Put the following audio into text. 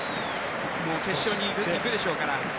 決勝にいくでしょうから。